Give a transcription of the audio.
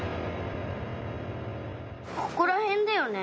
ここらへんだよね。